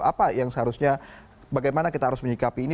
apa yang seharusnya bagaimana kita harus menyikapi ini